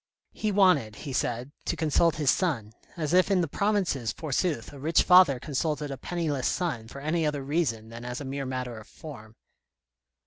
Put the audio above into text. He wanted, he said, to consult his son, as if in the provinces, forsooth, a rich father consulted a penniless son for any other reason than as a mere matter of form.